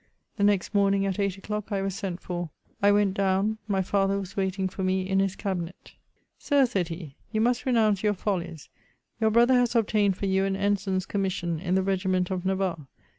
The next morning at eight o'clock, I was sent for ; I went down ; my father was waiting for me in his cabinet. " Sir," said he, " you must renounce your follies ; your brother has obtained for you an ensign's commission in the regiment of Navarre.